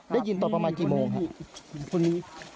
ได้ยินตอนประมาณกี่โมงครับ